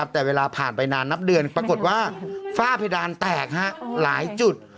แต่เวลาผ่านไปนานนับเดือนปรากฏว่าฝ้าเพดานแตกหลายจุด